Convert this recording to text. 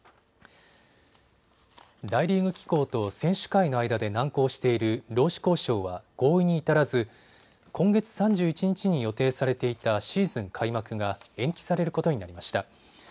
大リーグ機構と選手会の間で難航している労使交渉は合意に至らず今月３１日に予定されていたシーズン開幕が延期されることになりました。